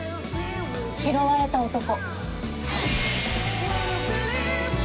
「拾われた男」。